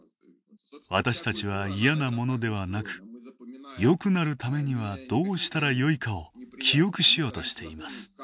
私たちは嫌なものではなくよくなるためにはどうしたらよいかを記憶しようとしています。